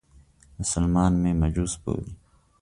مسلمانان مې مجوس بولي.